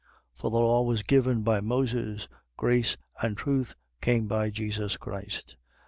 1:17. For the law was given by Moses: grace and truth came by Jesus Christ.